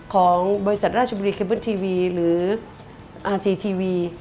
ของบริษัทราชบุรีเคเบิ้ลทีวีหรืออาซีทีวี